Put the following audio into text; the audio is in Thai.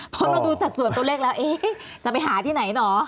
เพราะเราดูสัดส่วนตัวเลขแล้วจะไปหาที่ไหนเหรอ